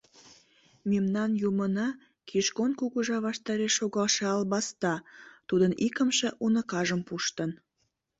Мемнан Юмына Кишкон Кугыжа ваштареш шогалше албаста тудын икымше уныкажым пуштын!